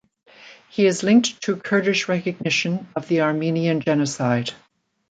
He is linked to Kurdish recognition of the Armenian genocide.